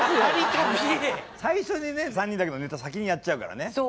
最初にね３人だけのネタ先にやっちゃうからね。